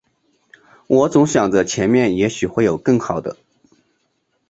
我总想着前面也许会有更好的